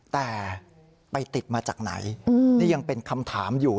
แต่ไปติดมาจากไหนนี่ยังเป็นคำถามอยู่